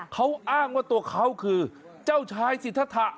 เขาอ้างว่าตัวเขาคือเจ้าชายสิทธะ